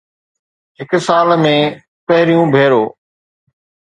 هڪ سال ۾ پهريون ڀيرو